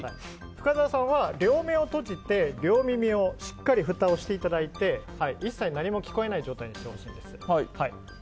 深澤さんは両目を閉じて両耳をしっかりとふたをしていただいて一切何も聞こえない状態にしてください。